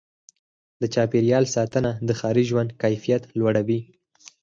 د چاپېریال ساتنه د ښاري ژوند کیفیت لوړوي.